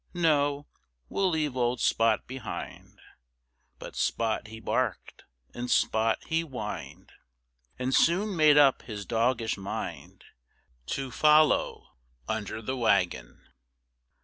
No, we'll leave old Spot behind," But Spot he barked and Spot he whined, And soon made up his doggish mind To follow under the wagon.